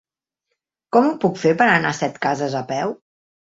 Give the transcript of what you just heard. Com ho puc fer per anar a Setcases a peu?